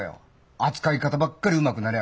扱い方ばっかりうまくなりやがってな。